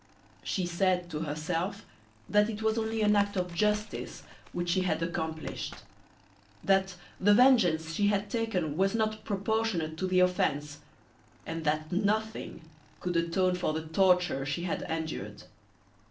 She said to herself that it was only an act of justice which she had accomplished; that the vengeance she had taken was not proportionate to the offence, and that nothing could atone for the torture she had endured.